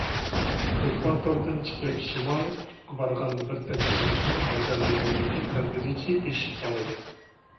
ئېكۋاتوردىن چىقىپ شىمالىي قۇتۇپقا بارغان بىر تەكشۈرگۈچىنىڭ بەدەن ئېغىرلىقى تەدرىجىي ئېشىپ بارىدۇ.